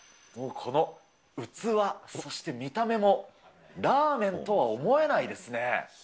もうこの器、そして見た目も、ラーメンとは思えないですね。